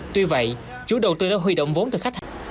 tuy vậy chủ đầu tư đã huy động vốn từ khách hàng